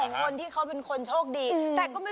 ผู้โชคดีได้แกคุณประสงค์แสงจันดาจากจังหวัดลบปลอดภัย